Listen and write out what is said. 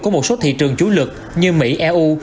của một số thị trường chủ lực như mỹ eu